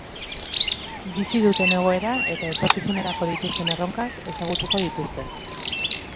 Bizi duten egoera eta etorkizunerako dituzten erronkak ezagutuko dituzte.